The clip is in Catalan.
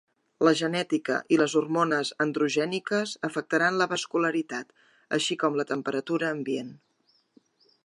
La genètica i les hormones androgèniques afectaran la vascularitat, així com la temperatura ambient.